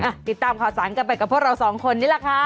ติดตามข่าวสารกันไปกับพวกเราสองคนนี่แหละค่ะ